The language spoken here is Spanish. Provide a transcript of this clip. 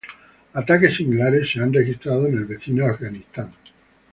Ataques similares se han registrado en el vecino Afganistán.